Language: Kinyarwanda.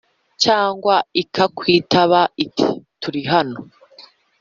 cyangwa ikakwitaba iti ‘turi hano’’